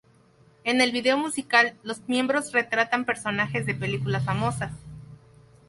En el vídeo musical, los miembros retratan personajes de películas famosas.